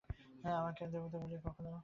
আমাকে আর দেবতা বলিয়া কখনো অপ্রতিভ করিয়ো না।